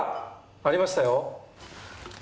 ありましたよ。